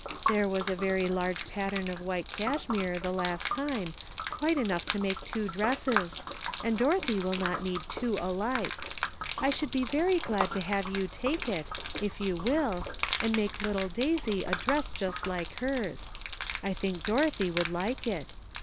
There was a very large pattern of white cashmere the last time, quite enough to make two dresses, and Dorothy will not need two alike. I should be very glad to have you take it, if you will, and make little Daisy a dress just like hers. I think Dorothy would like it.